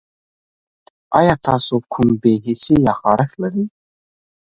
ایا تاسو کوم بې حسي یا خارښت لرئ؟